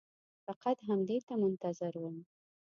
فقط همدې ته منتظر وم.